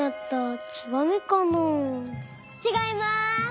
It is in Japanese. ちがいます。